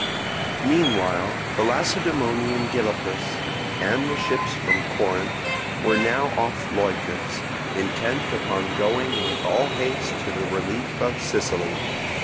Meanwhile the Lacedaemonian, Gylippus, and the ships from Corinth were now off Leucas, intent upon going with all haste to the relief of Sicily.